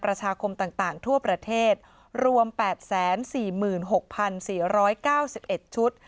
ประชาคมต่างทั่วประเทศรวม๘๔๖๔๙๑ชุด